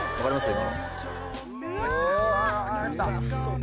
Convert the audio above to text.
今の。